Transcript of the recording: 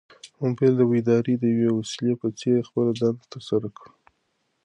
موبایل د بیدارۍ د یوې وسیلې په څېر خپله دنده ترسره کړه.